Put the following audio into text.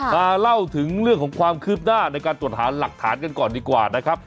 เล่าถึงเรื่องของความคืบหน้าในการตรวจหาหลักฐานกันก่อนดีกว่านะครับ